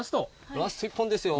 ラスト１本ですよ。